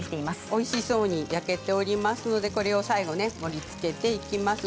おいしそうに焼けていますので最後盛りつけていきます。